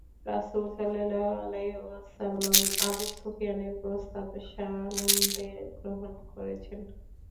রাসূল সাল্লাল্লাহু আলাইহি ওয়াসাল্লাম আবু সুফিয়ানের প্রস্তাব সানন্দে গ্রহণ করেছেন।